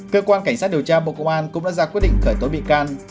cơ quan cảnh sát điều tra bộ công an cũng đã ra quyết định khởi tố bị can